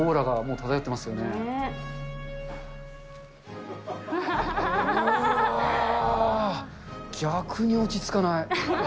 うわー、逆に落ち着かない。